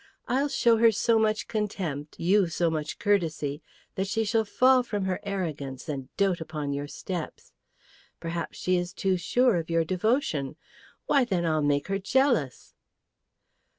I'll show her so much contempt, you so much courtesy, that she shall fall from her arrogance and dote upon your steps. Perhaps she is too sure of your devotion? Why, then, I'll make her jealous!"